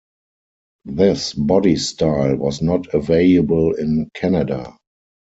This bodystyle was not available in Canada.